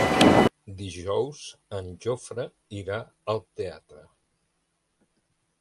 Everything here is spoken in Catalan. Dijous en Jofre irà al teatre.